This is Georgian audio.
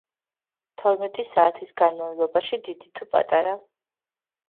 თორმეტი საათის განმავლობაში, დიდი თუ პატარა.